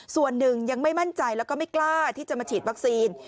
ส่วนหนึ่งยังไม่มั่นใจแล้วก็ไม่กล้าที่จะมาฉีดวัคซีน